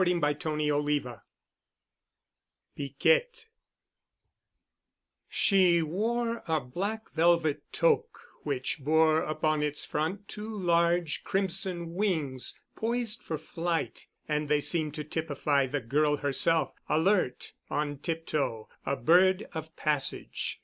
*CHAPTER V* *PIQUETTE* She wore a black velvet toque which bore upon its front two large crimson wings, poised for flight, and they seemed to typify the girl herself—alert, on tip toe, a bird of passage.